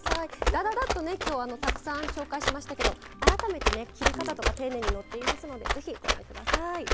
だだだっとたくさん紹介しましたけど改めて切り方とか丁寧に載っていますのでぜひ、ご覧ください。